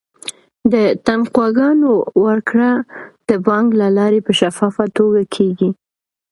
د تنخواګانو ورکړه د بانک له لارې په شفافه توګه کیږي.